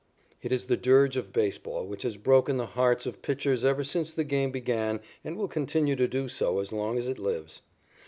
It is the dirge of baseball which has broken the hearts of pitchers ever since the game began and will continue to do so as long as it lives.